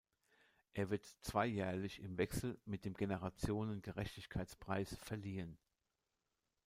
Er wird zweijährlich im Wechsel mit dem "Generationengerechtigkeits-Preis" verliehen.